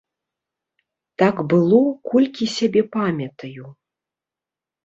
Так было, колькі сябе памятаю.